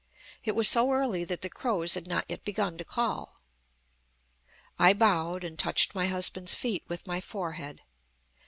It was so early that the crows had not yet begun to call. "I bowed, and touched my husband's feet with my forehead.